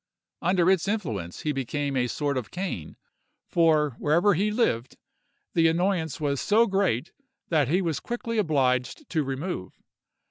Under its influence he became a sort of Cain; for, wherever he lived, the annoyance was so great that he was quickly obliged to remove.